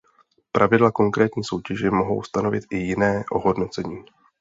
Pravidla konkrétní soutěže mohou stanovit i jiné ohodnocení.